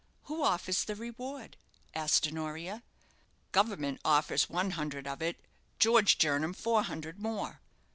"Who offers the reward?" asked Honoria. "Government offers one hundred of it; George Jernam four hundred more."